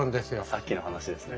さっきの話ですね。